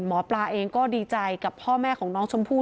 หมอปลาเองก็ดีใจกับพ่อแม่ของน้องชมพู่